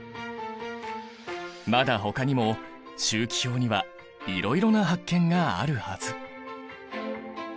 まだほかにも周期表にはいろいろな発見があるはず！